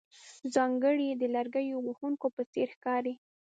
ځانګړی د لرګیو وهونکو په څېر ښکارې.